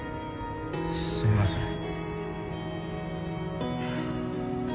すいません